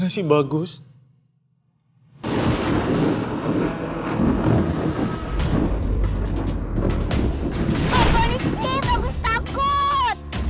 apaan sih bagus takut